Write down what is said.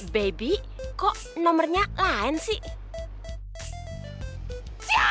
baby kok nomornya lain sih